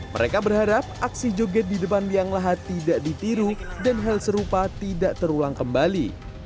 mereka berharap aksi joget di depan liang lahat tidak ditiru dan hal serupa tidak terulang kembali